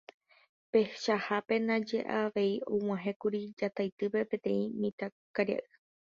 Peichahápe ndaje avei og̃uahẽkuri Jataitýpe peteĩ mitãkaria'y.